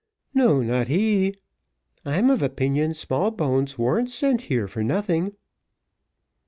"No, not he; I'm of opinion Smallbones wa'n't sent here for nothing."